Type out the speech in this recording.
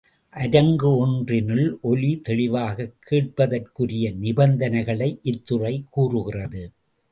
அரங்கு ஒன்றினுள் ஒலி தெளிவாகக் கேட்பதற்குரிய நிபந்தனைகளை இத்துறை கூறுகிறது.